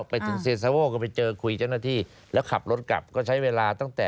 ไปถึงเซียโวก็ไปเจอคุยเจ้าหน้าที่แล้วขับรถกลับก็ใช้เวลาตั้งแต่